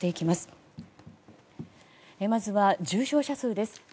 まずは重症者数です。